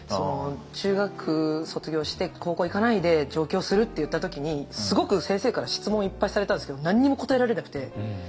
中学卒業して高校行かないで上京するって言った時にすごく先生から質問いっぱいされたんですけど何にも答えられなくて。